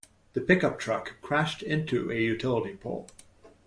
The pickup truck crashed into a utility pole.